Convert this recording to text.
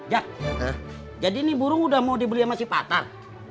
jak jadi ini burung udah mau dibeli sama si patah